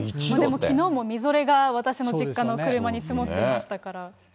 きのうもみぞれが、私の実家の車に積もっていましたから。